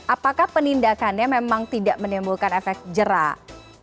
apakah penindakannya memang tidak menimbulkan efek jerak